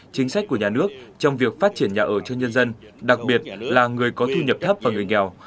chính sách của nhà nước trong việc phát triển nhà ở cho nhân dân đặc biệt là người có thu nhập thấp và người nghèo